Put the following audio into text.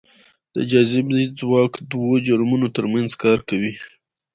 د جاذبې ځواک دوو جرمونو ترمنځ کار کوي.